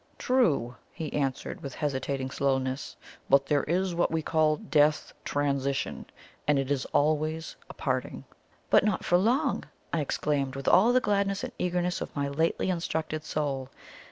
"True!" he answered, with hesitating slowness. "But there is what we call death transition and it is always a parting." "But not for long!" I exclaimed, with all the gladness and eagerness of my lately instructed soul.